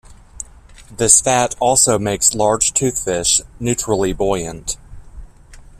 This fat also makes large toothfish neutrally buoyant.